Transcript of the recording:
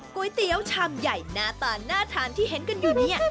ก๋วยเตี๋ยวชามใหญ่หน้าตาน่าทานที่เห็นกันอยู่เนี่ย